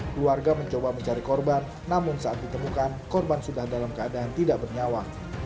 keluarga mencoba mencari korban namun saat ditemukan korban sudah dalam keadaan tidak bernyawa